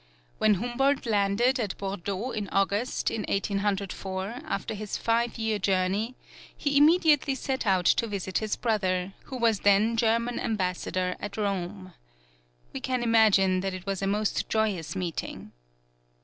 When Humboldt landed at Bordeaux in August, in Eighteen Hundred Four, after his five year journey, he immediately set out to visit his brother, who was then German Ambassador at Rome. We can imagine that it was a most joyous meeting.